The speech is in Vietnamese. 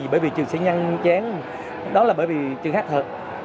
bởi vì trường sẽ nhăn chán